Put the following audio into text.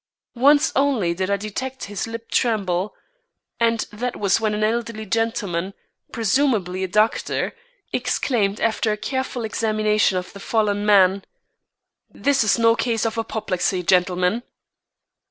Once only did I detect his lip tremble, and that was when an elderly gentleman (presumably a doctor) exclaimed after a careful examination of the fallen man: "This is no case of apoplexy, gentlemen!"